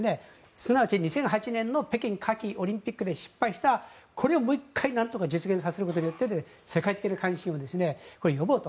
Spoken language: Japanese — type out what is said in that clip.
すなわち２００８年の北京夏季オリンピックで失敗したこれをもう１回なんとか実現させることによって世界的に関心を呼ぼうと。